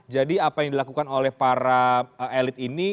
jadi apa yang dilakukan oleh para elit ini